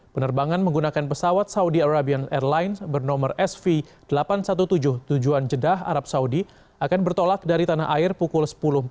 penerbangan menggunakan pesawat saudi arabian airlines bernomor sv delapan ratus tujuh belas tujuan jeddah arab saudi akan bertolak dari tanah air pukul sepuluh empat puluh